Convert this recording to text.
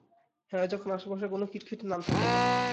হ্যাঁ, যখন আশেপাশে কোনো খিটখিটে নান থাকে না।